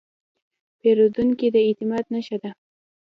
پیرودونکی د اعتماد نښه ده.